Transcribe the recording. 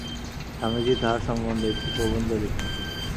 স্বামীজী তাঁহার সম্বন্ধে একটি প্রবন্ধ লিখেন।